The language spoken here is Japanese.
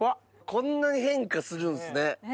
こんなに変化するんすね。